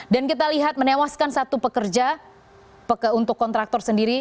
dan kita lihat menewaskan satu pekerja untuk kontraktor sendiri